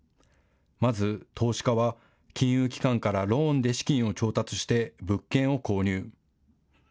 まず投資家は金融機関からローンで資金を調達して物件を購入。